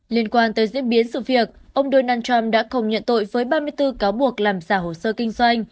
liên quan tới diễn biến sự việc ông donald trump đã công nhận tội với ba mươi bốn cáo buộc làm giả hồ sơ kinh doanh